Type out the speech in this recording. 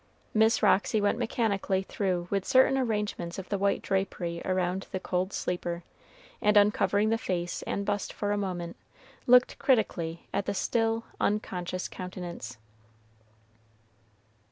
Miss Roxy went mechanically through with certain arrangements of the white drapery around the cold sleeper, and uncovering the face and bust for a moment, looked critically at the still, unconscious countenance.